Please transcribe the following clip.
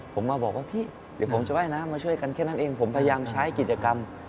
ผมมาบอกว่าพี่เดี๋ยวผมจะว่ายน้ำมาช่วยกันแค่นั้นเองผมพยายามใช้กิจกรรม